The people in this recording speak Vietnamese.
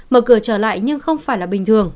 mở cửa trở lại nhưng không phải là bình thường